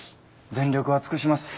全力は尽くします。